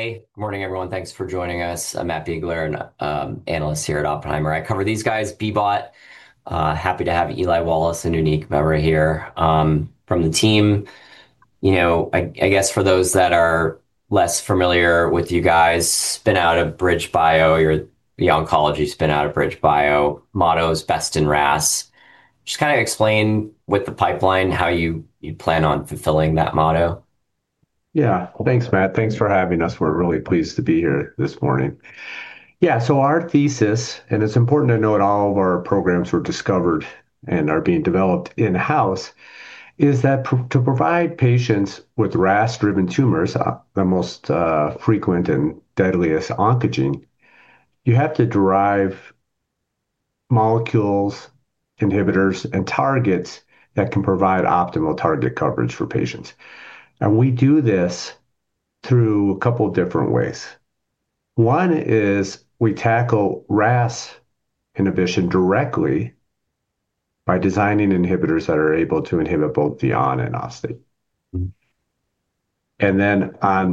Hey, good morning, everyone. Thanks for joining us. I'm Matthew Biegler, an analyst here at Oppenheimer. I cover these guys, BBOT. Happy to have Eli Wallace and Uneek Mehra here from the team. You know, I guess for those that are less familiar with you guys, spin out of BridgeBio or the oncology spin out of BridgeBio. Motto is, "Best in RAS." Just kinda explain with the pipeline how you plan on fulfilling that motto. Yeah. Thanks, Matt. Thanks for having us. We're really pleased to be here this morning. Our thesis, and it's important to note, all of our programs were discovered and are being developed in-house, is that to provide patients with RAS-driven tumors, the most frequent and deadliest oncogene, you have to derive molecules, inhibitors, and targets that can provide optimal target coverage for patients. We do this through a couple different ways. One is we tackle RAS inhibition directly by designing inhibitors that are able to inhibit both the on and off state. On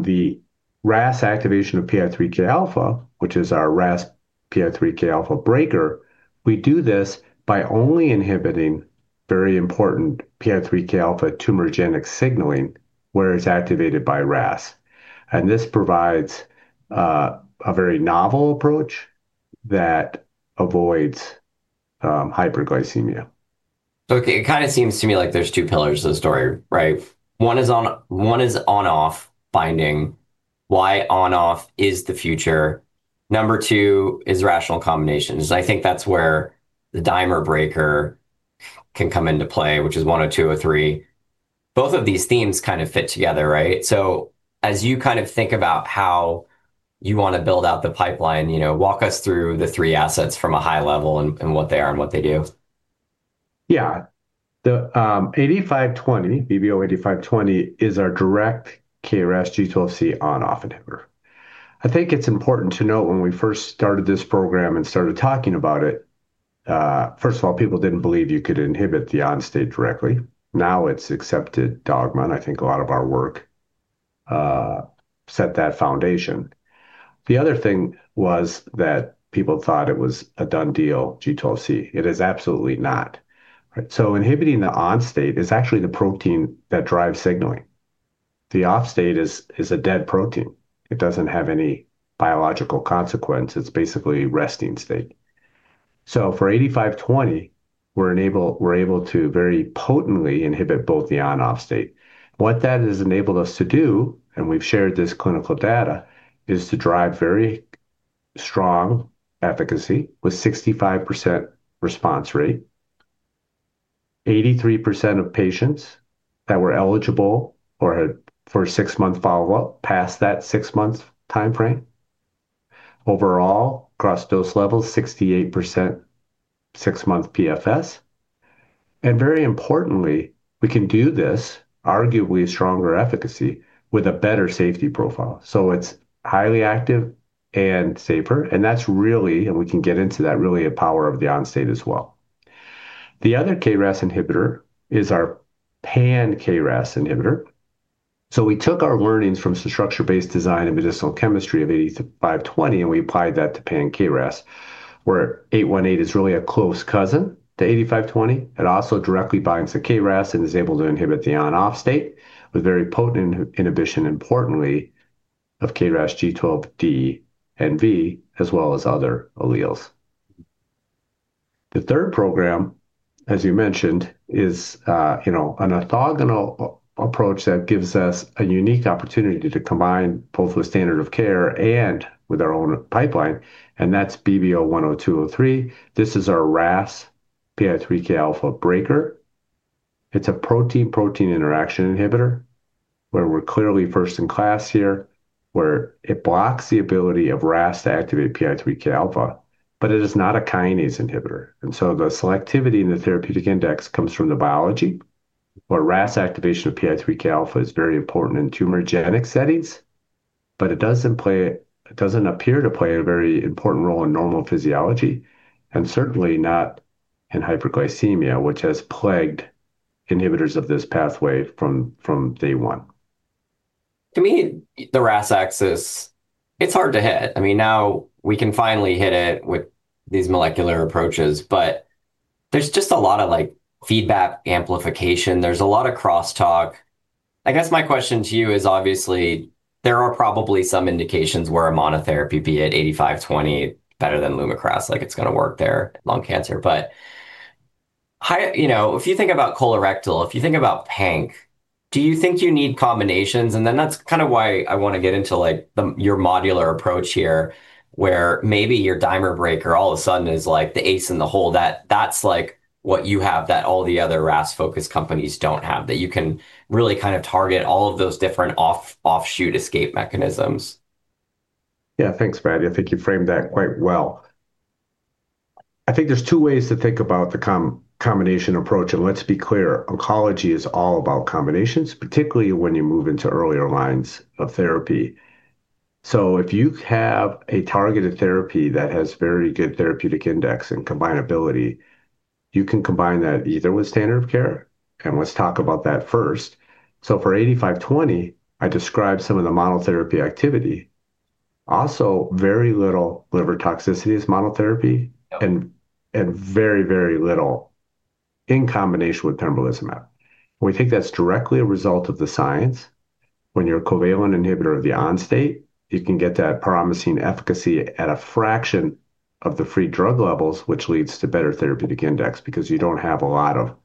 the RAS activation of PI3Kα, which is our RAS PI3Kα breaker, we do this by only inhibiting very important PI3Kα tumorigenic signaling, where it's activated by RAS. This provides a very novel approach that avoids hyperglycemia. Okay, it kinda seems to me like there's two pillars to the story, right? One is on, one is on/off binding. Why on/off is the future? Number two is rational combinations. I think that's where the dimer breaker can come into play, which is one of two or three. Both of these themes kind of fit together, right? As you kind of think about how you wanna build out the pipeline, you know, walk us through the three assets from a high level and what they are and what they do. Yeah. The 8520, BBO-8520, is our direct KRAS G12C on/off inhibitor. I think it's important to note, when we first started this program and started talking about it, first of all, people didn't believe you could inhibit the on state directly. Now it's accepted dogma. I think a lot of our work set that foundation. The other thing was that people thought it was a done deal, G12C. It is absolutely not, right? Inhibiting the on state is actually the protein that drives signaling. The off state is a dead protein. It doesn't have any biological consequence. It's basically resting state. For 8520, we're able to very potently inhibit both the on/off state. What that has enabled us to do, and we've shared this clinical data, is to drive very strong efficacy with 65% response rate. 83% of patients that were eligible or had for a six-month follow-up, passed that six-month timeframe. Overall, across dose levels, 68%, six-month PFS. Very importantly, we can do this arguably stronger efficacy with a better safety profile. It's highly active and safer, and that's really, we can get into that, a power of the on state as well. The other KRAS inhibitor is our pan-KRAS inhibitor. We took our learnings from structure-based design and medicinal chemistry of BBO-8520, and we applied that to pan-KRAS, where 818 is really a close cousin to BBO-8520. It also directly binds the KRAS and is able to inhibit the on/off state with very potent inhibition, importantly, of KRAS G12D and V, as well as other alleles. The third program, as you mentioned, is, you know, an orthogonal approach that gives us a unique opportunity to combine both with standard of care and with our own pipeline, and that's BBO-10203. This is our RAS PI3Kα breaker. It's a protein-protein interaction inhibitor, where we're clearly first in class here, where it blocks the ability of RAS to activate PI3Kα, but it is not a kinase inhibitor. The selectivity in the therapeutic index comes from the biology, where RAS activation of PI3Kα is very important in tumorigenic settings, but it doesn't appear to play a very important role in normal physiology, and certainly not in hyperglycemia, which has plagued inhibitors of this pathway from day one. To me, the RAS axis, it's hard to hit. I mean, now we can finally hit it with these molecular approaches, but there's just a lot of, like, feedback amplification. There's a lot of crosstalk. I guess my question to you is, obviously, there are probably some indications where a monotherapy, be it 8520, better than Lumakras, like it's gonna work there, lung cancer. High... You know, if you think about colorectal, if you think about PANC, do you think you need combinations? That's kind of why I wanna get into, like, the, your modular approach here, where maybe your dimer breaker, all of a sudden, is, like, the ace in the hole, that that's, like, what you have that all the other RAS-focused companies don't have, that you can really kind of target all of those different offshoot escape mechanisms. Thanks, Matt. I think you framed that quite well. I think there's two ways to think about the combination approach. Let's be clear, oncology is all about combinations, particularly when you move into earlier lines of therapy. If you have a targeted therapy that has very good therapeutic index and combinability, you can combine that either with standard of care. Let's talk about that first. For BBO-8520, I described some of the monotherapy activity. Also, very little liver toxicity as monotherapy. Yeah Very, very little in combination with pembrolizumab. We think that's directly a result of the science. When you're a covalent inhibitor of the on state, you can get that promising efficacy at a fraction of the free drug levels, which leads to better therapeutic index, because you don't have a lot of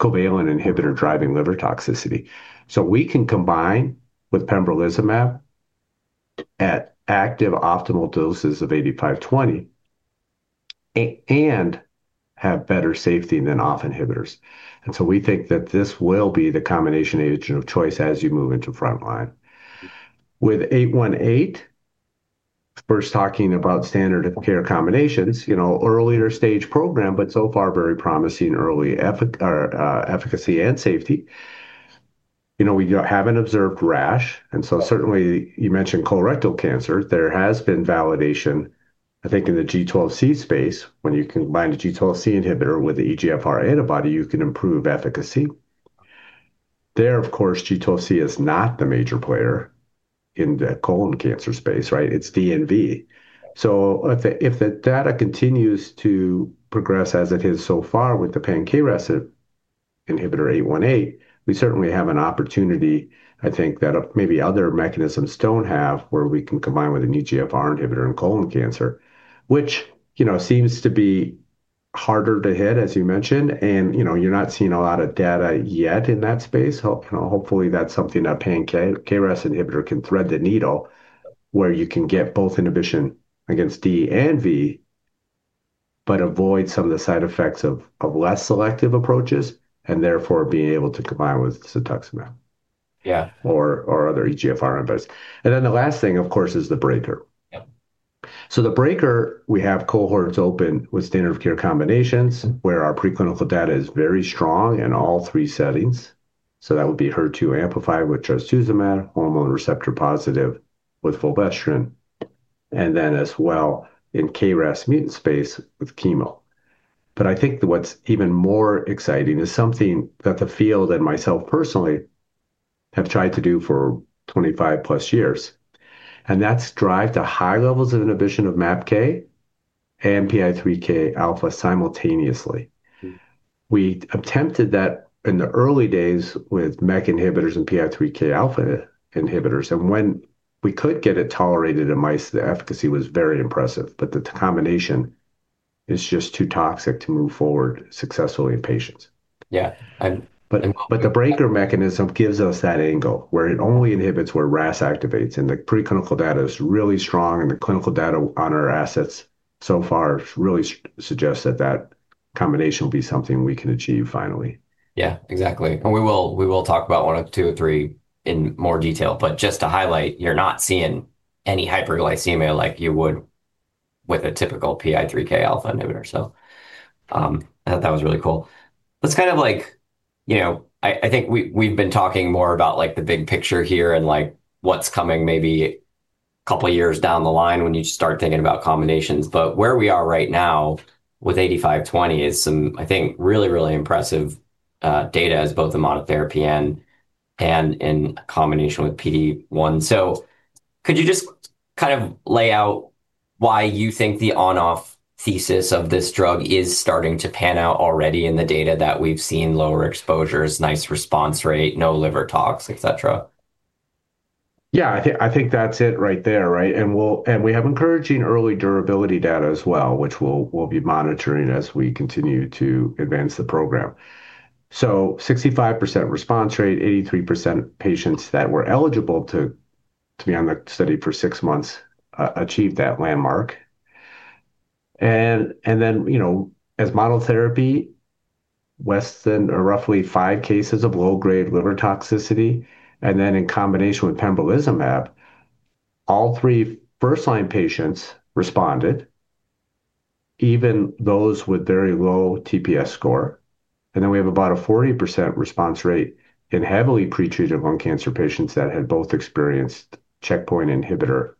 covalent inhibitor driving liver toxicity. We can combine with pembrolizumab at active optimal doses of 8520 and have better safety than off inhibitors. We think that this will be the combination agent of choice as you move into frontline. With 818, first talking about standard of care combinations, you know, earlier stage program, but so far very promising early efficacy and safety. You know, we haven't observed rash, and so certainly, you mentioned colorectal cancer. There has been validation, I think, in the G12C space. When you combine the G12C inhibitor with the EGFR antibody, you can improve efficacy. There, of course, G12C is not the major player in the colon cancer space, right? It's IND. If the data continues to progress as it has so far with the pan-KRAS inhibitor eight one eight, we certainly have an opportunity, I think, that maybe other mechanisms don't have, where we can combine with an EGFR inhibitor in colon cancer, which, you know, seems to be harder to hit, as you mentioned, and, you know, you're not seeing a lot of data yet in that space. You know, hopefully, that's something that pan-KRAS inhibitor can thread the needle, where you can get both inhibition against D and V, but avoid some of the side effects of less selective approaches, and therefore, being able to combine with cetuximab. Yeah Or other EGFR inhibitors. Then the last thing, of course, is the breaker. Yeah. The breaker, we have cohorts open with standard of care combinations, where our preclinical data is very strong in all three settings. That would be HER2 amplified with trastuzumab, hormone receptor-positive with fulvestrant, and then as well in KRAS mutant space with chemo. I think what's even more exciting is something that the field and myself personally have tried to do for 25+ years, and that's drive to high levels of inhibition of MAPK and PI3Kα simultaneously. Mm. We attempted that in the early days with MEK inhibitors and PI3Kα inhibitors. When we could get it tolerated in mice, the efficacy was very impressive. The combination is just too toxic to move forward successfully in patients. Yeah, and- The breaker mechanism gives us that angle, where it only inhibits where RAS activates, and the preclinical data is really strong, and the clinical data on our assets so far really suggests that that combination will be something we can achieve finally. Yeah, exactly. We will talk about one of two or three in more detail. Just to highlight, you're not seeing any hyperglycemia like you would with a typical PI3Kα inhibitor. I thought that was really cool. That's kind of like... You know, I think we've been talking more about, like, the big picture here and, like, what's coming maybe couple years down the line when you start thinking about combinations. Where we are right now with 8520 is some, I think, really impressive data as both a monotherapy and in combination with PD-1. Could you just kind of lay out why you think the on/off thesis of this drug is starting to pan out already in the data that we've seen, lower exposures, nice response rate, no liver tox, et cetera? Yeah, I think that's it right there, right? We have encouraging early durability data as well, which we'll be monitoring as we continue to advance the program. 65% response rate, 83% of patients that were eligible to be on the study for six months, achieved that landmark. Then, you know, as monotherapy, less than or roughly five cases of low-grade liver toxicity, and then in combination with pembrolizumab, all three first-line patients responded, even those with very low TPS score. Then we have about a 40% response rate in heavily pretreated lung cancer patients that had both experienced checkpoint inhibitor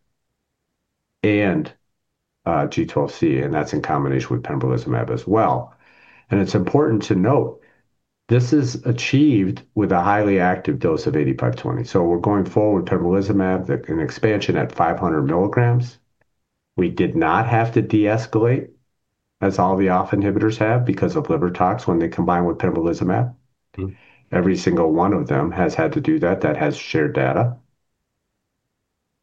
and G12C, and that's in combination with pembrolizumab as well. It's important to note, this is achieved with a highly active dose of 8520. We're going forward with pembrolizumab, an expansion at 500 mg. We did not have to deescalate, as all the off inhibitors have, because of liver tox when they combine with pembrolizumab. Mm. Every single one of them has had to do that has shared data.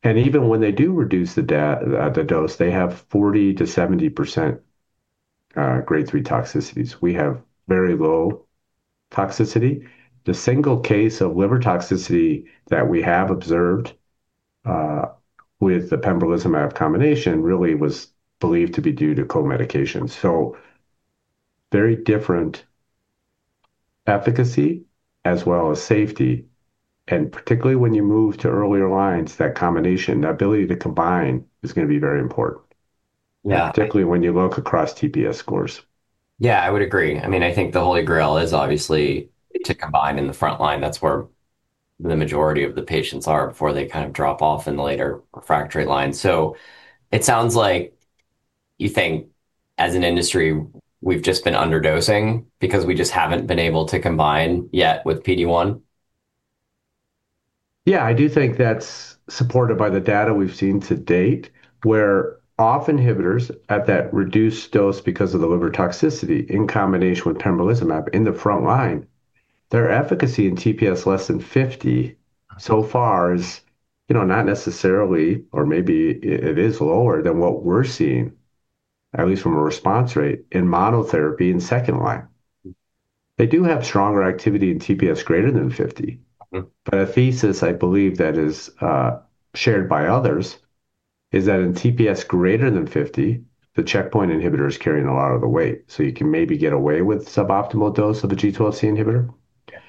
Even when they do reduce the dose, they have 40%-70% grade three toxicities. We have very low toxicity. The single case of liver toxicity that we have observed with the pembrolizumab combination really was believed to be due to co-medications. Very different efficacy as well as safety, and particularly when you move to earlier lines, that combination, the ability to combine, is gonna be very important. Yeah Particularly when you look across TPS scores. Yeah, I would agree. I mean, I think the holy grail is obviously to combine in the front line. That's the majority of the patients are before they kind of drop off in the later refractory lines. It sounds like you think, as an industry, we've just been underdosing because we just haven't been able to combine yet with PD-1? I do think that's supported by the data we've seen to date, where off inhibitors at that reduced dose because of the liver toxicity in combination with pembrolizumab in the front line, their efficacy in TPS less than 50 so far is, you know, not necessarily, or maybe it is lower than what we're seeing, at least from a response rate, in monotherapy in second line. They do have stronger activity in TPS greater than 50. Mm-hmm. A thesis I believe that is shared by others is that in TPS greater than 50, the checkpoint inhibitor is carrying a lot of the weight. You can maybe get away with suboptimal dose of the G12C inhibitor. Yeah.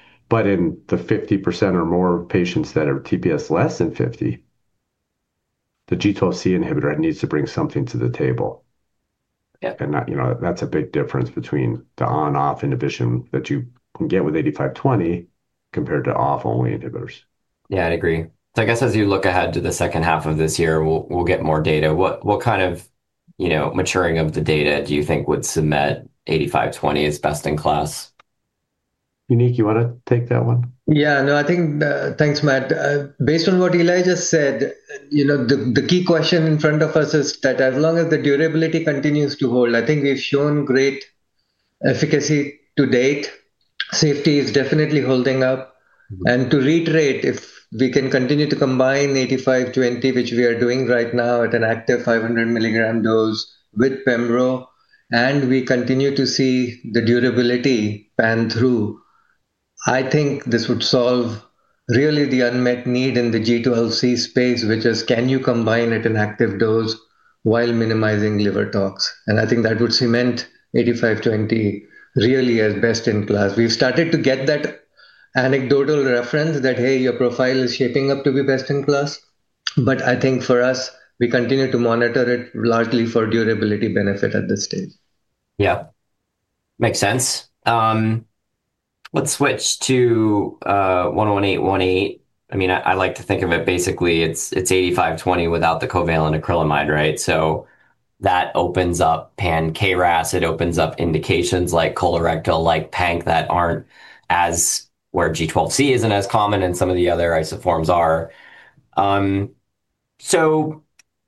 In the 50% or more patients that have TPS less than 50, the G12C inhibitor needs to bring something to the table. Yep. That, you know, that's a big difference between the on/off inhibition that you can get with 8520 compared to off-only inhibitors. I'd agree. I guess as you look ahead to the second half of this year, we'll get more data. What kind of, you know, maturing of the data do you think would cement 8520 as best in class? Uneek, you want to take that one? Yeah. No, I think. Thanks, Matt. Based on what Elijah said, you know, the key question in front of us is that as long as the durability continues to hold, I think we've shown great efficacy to date. Safety is definitely holding up. Mm-hmm. To reiterate, if we can continue to combine 8520, which we are doing right now at an active 500 mg dose with pembro, and we continue to see the durability pan through, I think this would solve really the unmet need in the G12C space, which is: Can you combine at an active dose while minimizing liver tox? I think that would cement 8520 really as best in class. We've started to get that anecdotal reference that, "Hey, your profile is shaping up to be best in class." I think for us, we continue to monitor it largely for durability benefit at this stage. Yeah. Makes sense. Let's switch to 11818. I mean, I like to think of it basically, it's 8520 without the covalent acrylamide, right? That opens up pan-KRAS. It opens up indications like colorectal, like PANC, where G12C isn't as common, and some of the other isoforms are.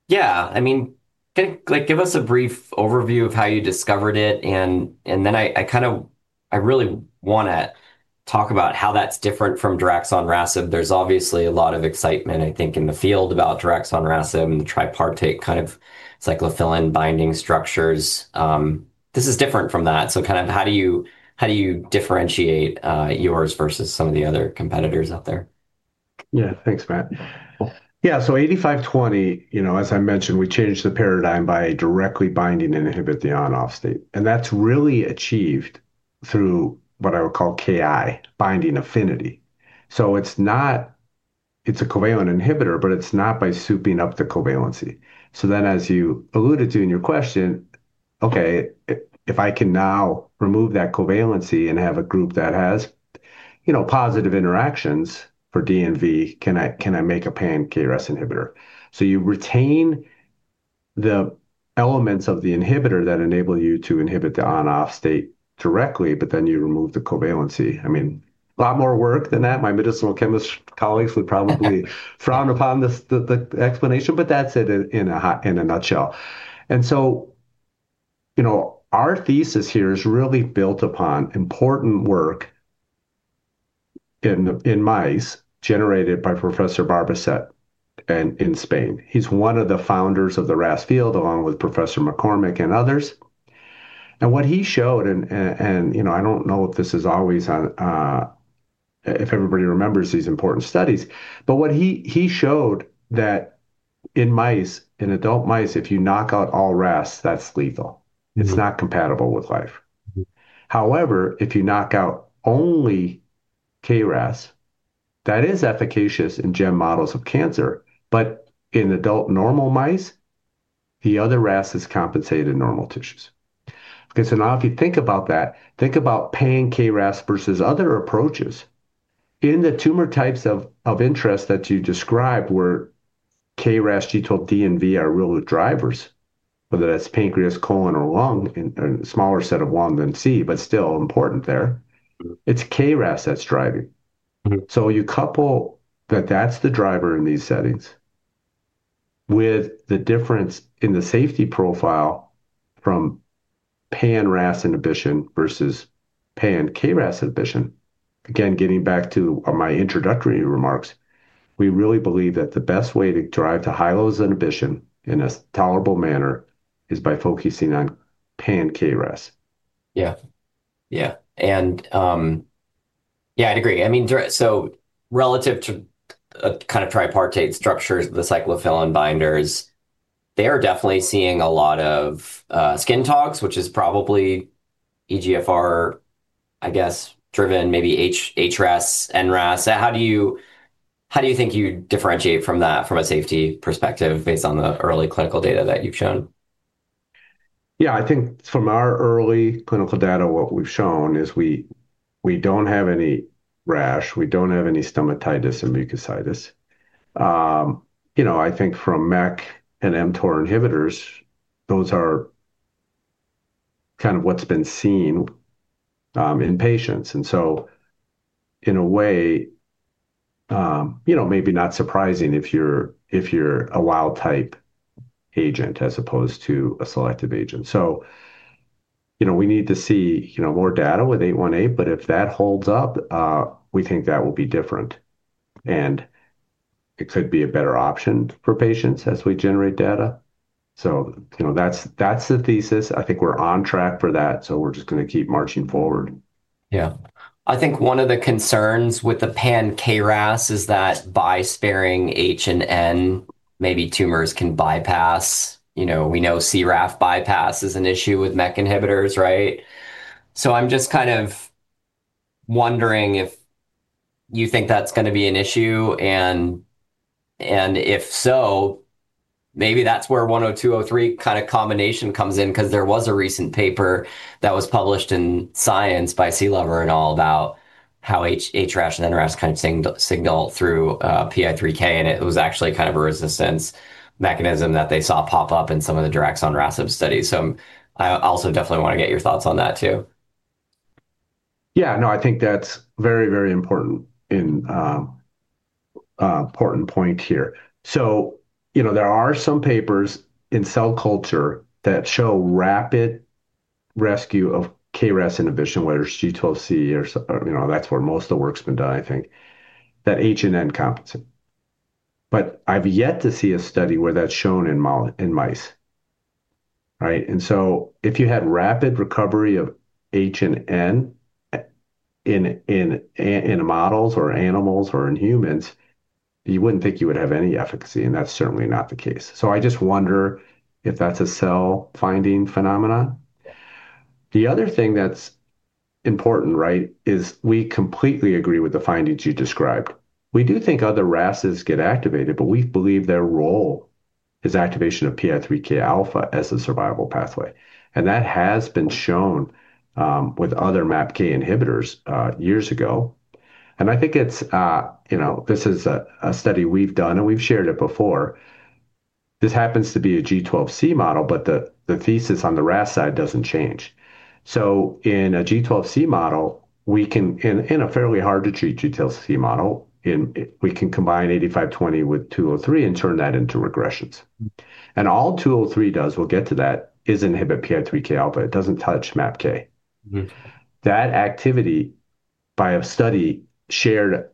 Yeah, I mean, like, give us a brief overview of how you discovered it, and then I really wanna talk about how that's different from Adagrasib. There's obviously a lot of excitement, I think, in the field about Adagrasib and the tripartite kind of cyclophilin binding structures. This is different from that, kind of how do you differentiate yours versus some of the other competitors out there? Thanks, Matt. 8520, you know, as I mentioned, we changed the paradigm by directly binding and inhibit the on/off state. That's really achieved through what I would call KI, binding affinity. It's not a covalent inhibitor, but it's not by souping up the covalency. As you alluded to in your question, okay, if I can now remove that covalency and have a group that has, you know, positive interactions for DNV, can I make a pan-KRAS inhibitor? You retain the elements of the inhibitor that enable you to inhibit the on/off state directly, but then you remove the covalency. I mean, a lot more work than that. My medicinal chemist colleagues would probably frown upon this, the explanation, but that's it in a nutshell. You know, our thesis here is really built upon important work in mice generated by Professor Barbacid in Spain. He's one of the founders of the RAS field, along with Professor McCormick and others. What he showed, and, you know, I don't know if this is always on, if everybody remembers these important studies, but what he showed that in mice, in adult mice, if you knock out all RAS, that's lethal. Mm-hmm. It's not compatible with life. However, if you knock out only KRAS, that is efficacious in germ models of cancer. In adult normal mice, the other RAS is compensated in normal tissues. If you think about that, think about pan-KRAS versus other approaches. In the tumor types of interest that you described, where KRAS G12D and V are really the drivers, whether that's pancreas, colon, or lung, and a smaller set of lung than KRAS G12C, but still important there. Mm-hmm It's KRAS that's driving. Mm-hmm. You couple that that's the driver in these settings with the difference in the safety profile from pan-RAS inhibition versus pan-KRAS inhibition. Getting back to my introductory remarks, we really believe that the best way to drive to high lows inhibition in a tolerable manner is by focusing on pan-KRAS. Yeah. Yeah, I'd agree. I mean, so relative to kind of tripartite structures, the cyclophilin binders, they are definitely seeing a lot of skin tox, which is probably EGFR, I guess, driven, maybe HRAS, NRAS. How do you think you differentiate from that from a safety perspective, based on the early clinical data that you've shown? Yeah, I think from our early clinical data, what we've shown is we don't have any rash, we don't have any stomatitis and mucositis. you know, I think from MEK and mTOR inhibitors, those are kind of what's been seen, in patients. In a way, you know, maybe not surprising if you're, if you're a wild type agent as opposed to a selective agent. you know, we need to see, you know, more data with 818, but if that holds up, we think that will be different, and it could be a better option for patients as we generate data. you know, that's the thesis. I think we're on track for that, so we're just gonna keep marching forward. I think one of the concerns with the pan-KRAS is that by sparing H and N, maybe tumors can bypass. You know, we know CRAF bypass is an issue with MEK inhibitors, right? I'm just kind of wondering if you think that's gonna be an issue, and if so, maybe that's where BBO-10203 kind of combination comes in. There was a recent paper that was published in Science by [Slowey] and all about how HRAS and NRAS kind of signal through PI3K, and it was actually kind of a resistance mechanism that they saw pop up in some of the direct on RASIB studies. I also definitely wanna get your thoughts on that too. No, I think that's very, very important and important point here. You know, there are some papers in cell culture that show rapid rescue of KRAS inhibition, whether it's G12C or, you know, that's where most of the work's been done, I think, that H and N compensate. I've yet to see a study where that's shown in mice, right? If you had rapid recovery of H and N, in, in models or animals or in humans, you wouldn't think you would have any efficacy, and that's certainly not the case. I just wonder if that's a cell finding phenomenon. The other thing that's important, right, is we completely agree with the findings you described. We do think other RASs get activated, we believe their role is activation of PI3Kα as a survival pathway, that has been shown with other MAPK inhibitors years ago. I think it's, you know, this is a study we've done, and we've shared it before. This happens to be a G12C model, the thesis on the RAS side doesn't change. In a fairly hard to treat G12C model, we can combine 8520 with 203 and turn that into regressions. All 203 does, we'll get to that, is inhibit PI3Kα. It doesn't touch MAPK. Mm-hmm. That activity, by a study shared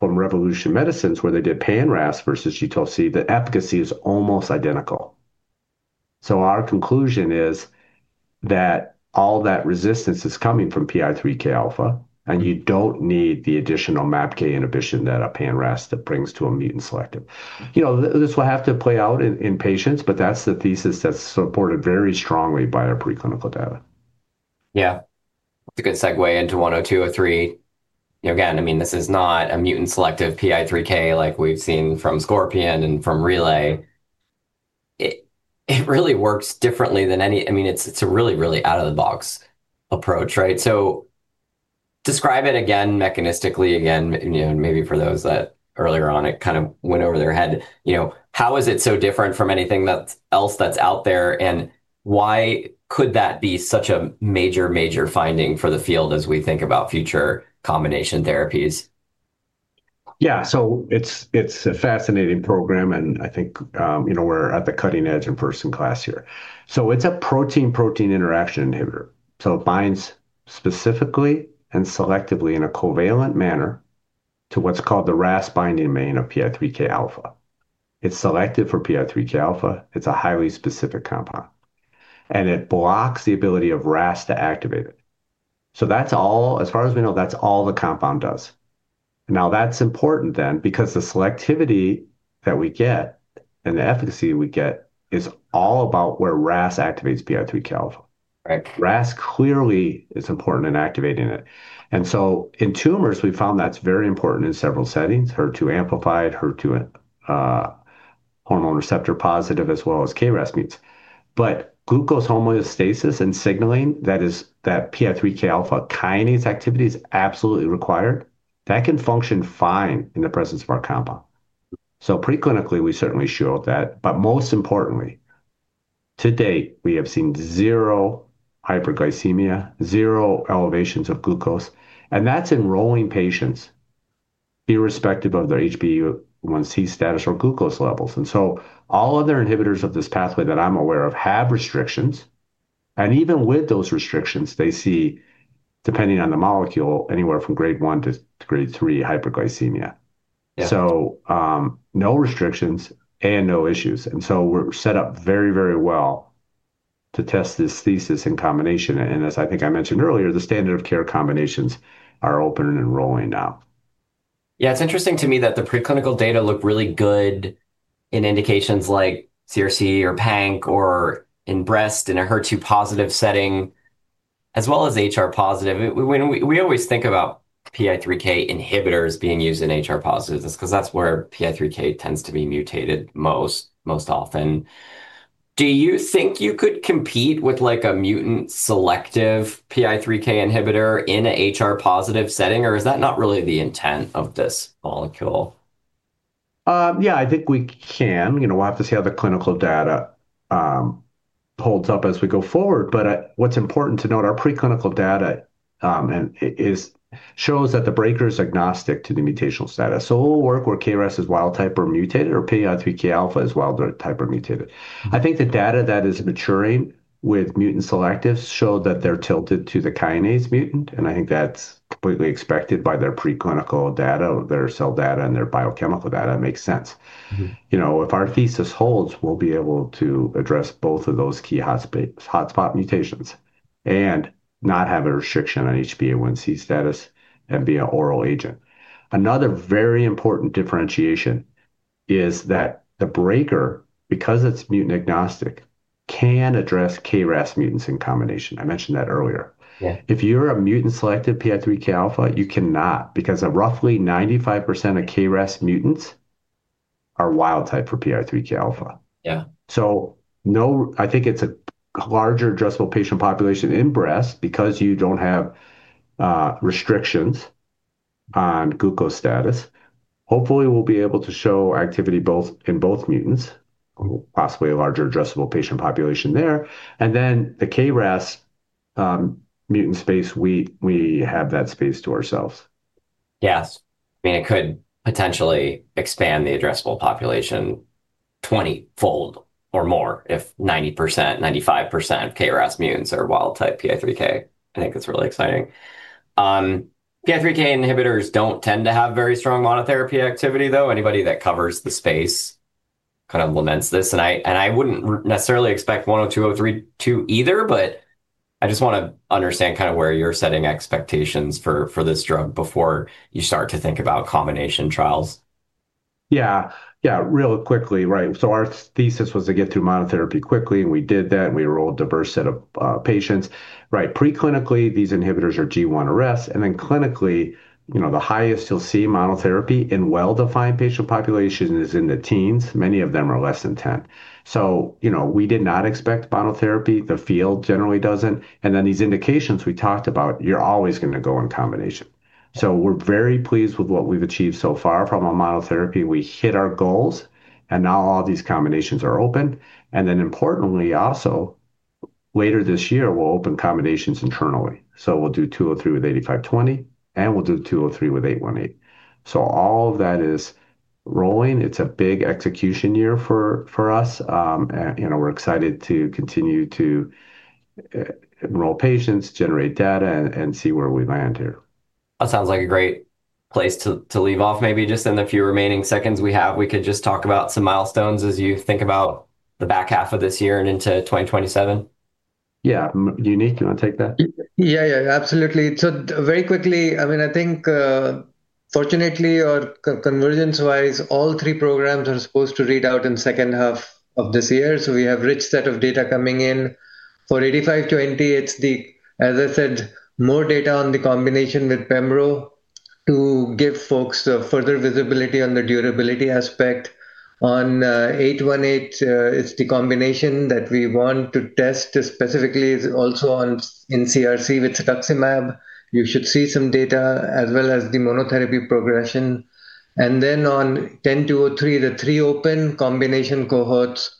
from Revolution Medicines, where they did pan RAS versus G12C, the efficacy is almost identical. Our conclusion is that all that resistance is coming from PI3Kα, and you don't need the additional MAPK inhibition that a pan RAS brings to a mutant selective. You know, this will have to play out in patients, that's the thesis that's supported very strongly by our preclinical data. Yeah. It's a good segue into 10203. Again, I mean, this is not a mutant selective PI3K like we've seen from Scorpion and from Relay. It really works differently than I mean, it's a really out-of-the-box approach, right? Describe it again mechanistically, again, you know, maybe for those that earlier on, it kind of went over their head. You know, how is it so different from anything else that's out there, and why could that be such a major finding for the field as we think about future combination therapies? It's a fascinating program, and I think, you know, we're at the cutting edge in person class here. It's a protein-protein interaction inhibitor. It binds specifically and selectively in a covalent manner to what's called the RAS binding domain of PI3Kα. It's selective for PI3Kα. It's a highly specific compound, and it blocks the ability of RAS to activate it. That's all, as far as we know, that's all the compound does. That's important then, because the selectivity that we get and the efficacy we get is all about where RAS activates PI3Kα. Right. RAS clearly is important in activating it. In tumors, we found that's very important in several settings, HER2 amplified, HER2, hormone receptor-positive, as well as KRAS mutants. Glucose homeostasis and signaling, that is, that PI3Kα kinase activity is absolutely required. That can function fine in the presence of our compound. Preclinically, we certainly showed that, but most importantly, to date, we have seen zero hyperglycemia, zero elevations of glucose, and that's enrolling patients irrespective of their HbA1c status or glucose levels. All other inhibitors of this pathway that I'm aware of have restrictions, and even with those restrictions, they see, depending on the molecule, anywhere from grade one to grade three hyperglycemia. Yeah. No restrictions and no issues. We're set up very, very well to test this thesis in combination. I think I mentioned earlier, the standard of care combinations are open and enrolling now. Yeah, it's interesting to me that the preclinical data looked really good in indications like CRC or PANC, or in breast, in a HER2 positive setting, as well as HR-positive, we always think about PI3K inhibitors being used in HR-positives, just 'cause that's where PI3K tends to be mutated most often. Do you think you could compete with, like, a mutant-selective PI3K inhibitor in a HR-positive setting, or is that not really the intent of this molecule? Yeah, I think we can. You know, we'll have to see how the clinical data holds up as we go forward. What's important to note, our preclinical data shows that the breaker is agnostic to the mutational status. It will work where KRAS is wild type or mutated, or PI3Kα is wild type or mutated. I think the data that is maturing with mutant selectives show that they're tilted to the kinase mutant, and I think that's completely expected by their preclinical data, their cell data, and their biochemical data. It makes sense. Mm-hmm. You know, if our thesis holds, we'll be able to address both of those key hotspot mutations and not have a restriction on HbA1c status and be an oral agent. Another very important differentiation is that the breaker, because it's mutant-agnostic, can address KRAS mutants in combination. I mentioned that earlier. Yeah. If you're a mutant-selective PI3Kα, you cannot, because of roughly 95% of KRAS mutants are wild type for PI3Kα. Yeah. No, I think it's a larger addressable patient population in breast because you don't have restrictions on glucose status. Hopefully, we'll be able to show activity in both mutants, possibly a larger addressable patient population there. The KRAS mutant space, we have that space to ourselves. Yes. I mean, it could potentially expand the addressable population 20-fold or more if 90%, 95% of KRAS mutants are wild type PI3K. I think it's really exciting. PI3K inhibitors don't tend to have very strong monotherapy activity, though. Anybody that covers the space kind of laments this, and I wouldn't necessarily expect one or two or three to either, but I just wanna understand kind of where you're setting expectations for this drug before you start to think about combination trials. Yeah, real quickly, right. Our thesis was to get through monotherapy quickly, and we did that. We enrolled a diverse set of patients. Right, preclinically, these inhibitors are G1 arrest, and then clinically, you know, the highest you'll see monotherapy in well-defined patient population is in the teens. Many of them are less than 10. You know, we did not expect monotherapy. The field generally doesn't. These indications we talked about, you're always gonna go in combination. We're very pleased with what we've achieved so far from a monotherapy. We hit our goals. Now all these combinations are open. Importantly, also, later this year, we'll open combinations internally. We'll do two or three with 8520, and we'll do two or three with 818. All of that is rolling. It's a big execution year for us. You know, we're excited to continue to enroll patients, generate data, and see where we land here. That sounds like a great place to leave off. Just in the few remaining seconds we have, we could just talk about some milestones as you think about the back half of this year and into 2027. Yeah. Uneek, you wanna take that? Absolutely. Very quickly, I mean, I think, fortunately, or convergence-wise, all three programs are supposed to read out in second half of this year, so we have rich set of data coming in. For 8520, it's the, as I said, more data on the combination with pembrolizumab to give folks the further visibility on the durability aspect. On 818, it's the combination that we want to test specifically is also on, in CRC with cetuximab. You should see some data, as well as the monotherapy progression. On 10203, the three open combination cohorts,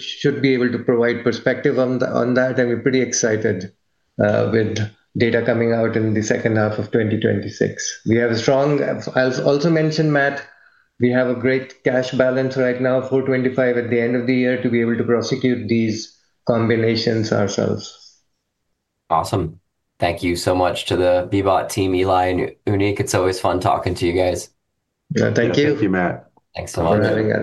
should be able to provide perspective on the, on that, and we're pretty excited, with data coming out in the second half of 2026. We have a strong, I'll also mention, Matt, we have a great cash balance right now, $425 at the end of the year, to be able to prosecute these combinations ourselves. Awesome. Thank you so much to the BBOT team, Eli and Uneek. It's always fun talking to you guys. Yeah, thank you. Thank you, Matt. Thanks so much. Thanks for having us.